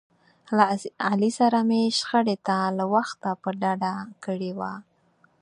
له علي سره مې شخړې ته له وخته په ډډه کړي و.